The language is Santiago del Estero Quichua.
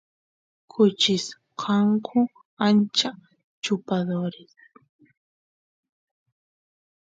kuchis kanku ancha chupadores